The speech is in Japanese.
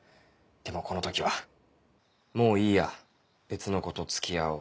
でもこの時は「もういいや別の子と付き合おう」。